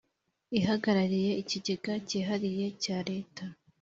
ihagarariye Ikigega Cyihariye cya leta